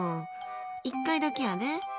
１回だけやで？